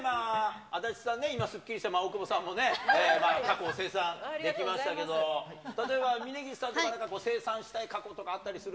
足立さんね、今、すっきりして、大久保さんもね、過去を清算できましたけど、例えば、峯岸さんとかなんか清算したい過去とかあったりする？